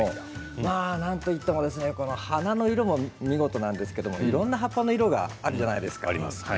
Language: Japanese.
なんといっても花の色も見事なんですけれどもいろいろな葉っぱの色があるじゃないですか。